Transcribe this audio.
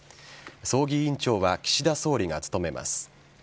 葬儀委員長は岸田総理が務めます。